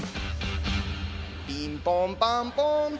ピンポンパンポン。